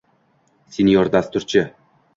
Senior dasturchi